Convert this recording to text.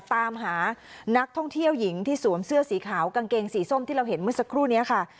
ตามหานักท่องเที่ยวหญิงที่สวมเสื้อสีขาวกางเกงสีส้มที่เราเห็นเมื่อสักครู่นี้ค่ะ